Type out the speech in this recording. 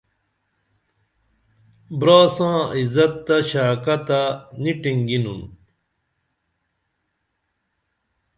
برا ساں عزت تہ شعکہ تہ نی ٹینگینُن